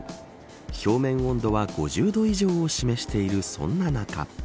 表面温度は５０度以上を示しているそんな中。